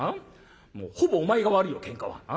もうほぼお前が悪いよけんかは。